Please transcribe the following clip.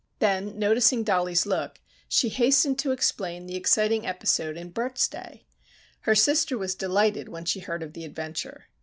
Then noticing Dollie's look she hastened to explain the exciting episode in Bert's day. Her sister was delighted when she heard of the adventure.